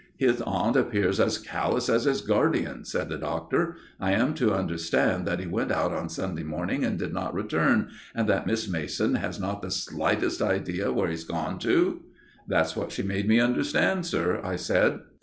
"His aunt appears as callous as his guardian," said the Doctor. "I am to understand that he went out on Sunday morning and did not return, and that Miss Mason has not the slightest idea where he has gone to?" "That's what she made me understand, sir," I said.